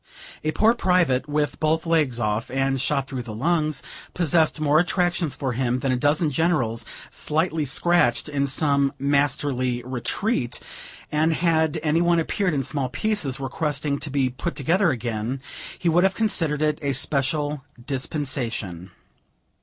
A poor private, with both legs off, and shot through the lungs, possessed more attractions for him than a dozen generals, slightly scratched in some "masterly retreat;" and had any one appeared in small pieces, requesting to be put together again, he would have considered it a special dispensation.